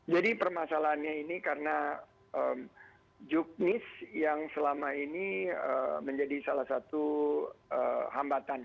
jadi permasalahannya ini karena juknis yang selama ini menjadi salah satu hambatan